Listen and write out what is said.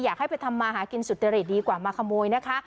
อยากให้ไปทำมาหากินสุจริตดีกว่ามาขโมยนะคะ